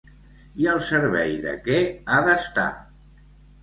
I al servei de què ha d'estar?